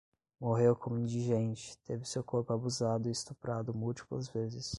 Morreu como indigente, teve seu corpo abusado e estuprado múltiplas vezes